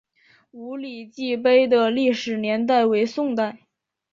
五礼记碑的历史年代为宋代。